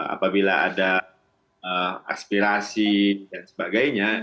apabila ada aspirasi dan sebagainya